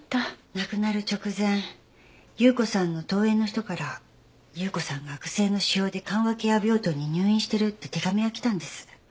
亡くなる直前有雨子さんの遠縁の人から有雨子さんが悪性の腫瘍で緩和ケア病棟に入院してるって手紙が来たんです。